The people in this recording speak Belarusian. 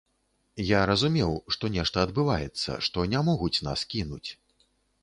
Я разумеў, што нешта адбываецца, што не могуць нас кінуць.